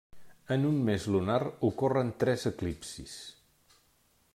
En un mes lunar ocorren tres eclipsis.